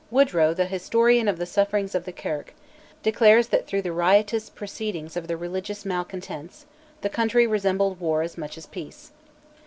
Wodrow, the historian of the sufferings of the Kirk, declares that through the riotous proceedings of the religious malcontents "the country resembled war as much as peace."